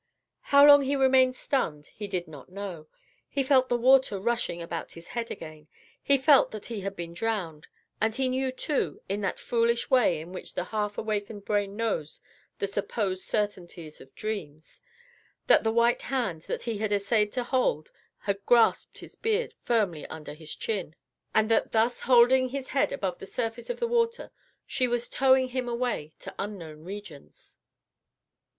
How long he remained stunned he did not know. He felt the water rushing about his head again; he felt that he had been drowned, and he knew, too in that foolish way in which the half awakened brain knows the supposed certainties of dreams that the white hand he had essayed to hold had grasped his beard firmly under his chin, and that thus holding his head above the surface of the water, she was towing him away to unknown regions.